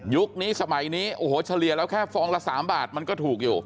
นี้สมัยนี้โอ้โหเฉลี่ยแล้วแค่ฟองละ๓บาทมันก็ถูกอยู่